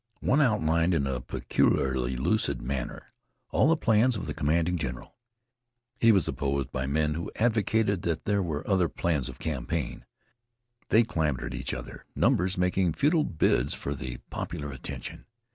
One outlined in a peculiarly lucid manner all the plans of the commanding general. He was opposed by men who advocated that there were other plans of campaign. They clamored at each other, numbers making futile bids for the popular attention.